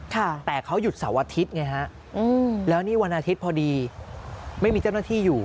แต่เขาหยุดเสาร์อาทิตย์ไงฮะอืมแล้วนี่วันอาทิตย์พอดีไม่มีเจ้าหน้าที่อยู่